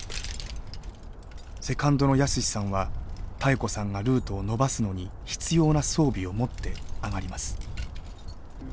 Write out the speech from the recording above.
セカンドの泰史さんは妙子さんがルートを延ばすのに必要な装備を持って上がります。